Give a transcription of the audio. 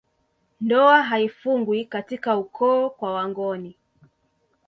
Ndoa haifungwi katika ukoo kwa wangoni